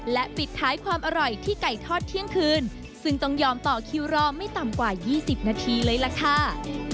และปิดท้ายความอร่อยที่ไก่ทอดเที่ยงคืนซึ่งต้องยอมต่อคิวรอไม่ต่ำกว่า๒๐นาทีเลยล่ะค่ะ